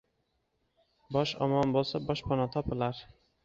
Bosh omon boʻlsa boshpana topilar